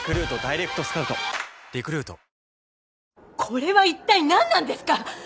これはいったい何なんですか！？